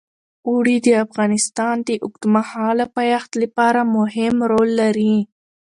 اوړي د افغانستان د اوږدمهاله پایښت لپاره مهم رول لري.